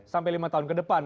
sampai lima tahun kedepan